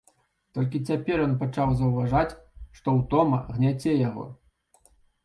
Толькі цяпер ён пачаў заўважаць, што ўтома гняце яго.